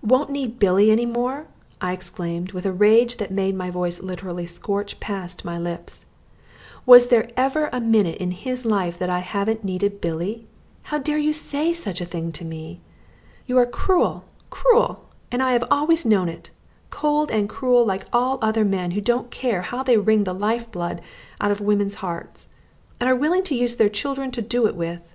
"Won't need Billy any more!" I exclaimed with a rage that made my voice literally scorch past my lips. "Was there ever a minute in his life that I haven't needed Billy? How dare you say such a thing to me? You are cruel, cruel, and I have always known it, cold and cruel like all other men who don't care how they wring the life blood out of women's hearts, and are willing to use their children to do it with.